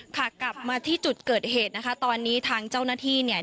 ค่ะกลับมาที่จุดเกิดเหตุนะคะตอนนี้ทางเจ้าหน้าที่เนี่ย